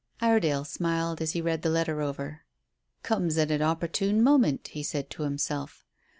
Iredale smiled as he read the letter over. "Comes at an opportune moment," he said to himself.